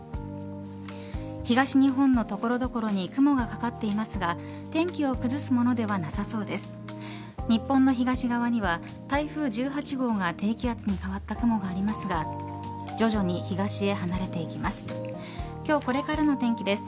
東日本の所々に雲がかかっていますが天気を崩すものではなさそうです日本の東側には台風１８号が低気圧に変わった雲がありますが徐々に東へ離れていきます。